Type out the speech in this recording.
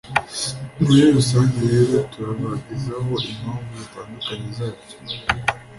Muri rusange rero turabagezaho impamvu zitandukanye zabyo